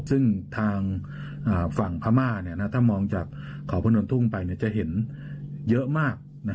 ซึ่งทางฝั่งพม่าถ้ามองจากเขาพนมทุ่งไปจะเห็นเยอะมาก